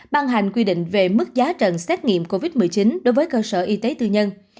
ban hành quy định về mức giá trần xét nghiệm covid một mươi chín đối với cơ sở y tế tư nhân